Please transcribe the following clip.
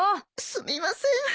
すみません。